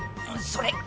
それ。